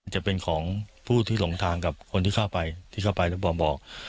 จะเป็นของผู้ที่หลงทางกับคนที่เข้าไปที่เข้าไปแล้วบอก